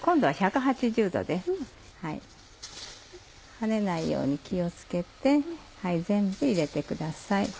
跳ねないように気を付けて全部入れてください。